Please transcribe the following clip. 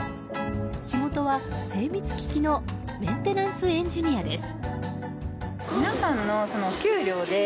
仕事は、精密機器のメンテナンスエンジニアです。